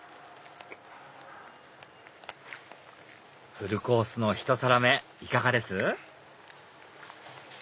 フルコースの１皿目いかがです？